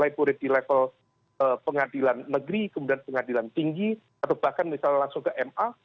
yang kemudian bisa dielaborasi di level pengadilan negeri kemudian pengadilan tinggi atau bahkan misalnya langsung ke ma